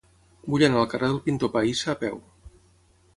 Vull anar al carrer del Pintor Pahissa a peu.